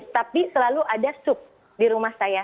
tapi selalu ada sup di rumah saya